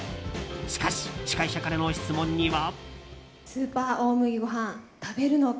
しかし、司会者からの質問には。